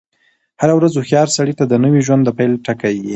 هره ورځ هوښیار سړي ته د نوی ژوند د پيل ټکی يي.